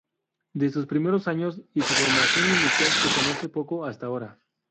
De sus primeros años y su formación inicial se conoce poco hasta ahora.